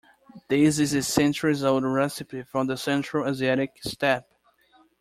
This is a centuries-old recipe from the Central Asiatic Steppe.